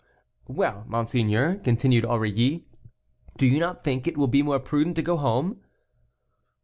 "Well, Monseigneur," continued Aurilly, "do you not think it will be more prudent to go home?"